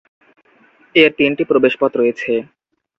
এর তিনটি প্রবেশপথ রয়েছে।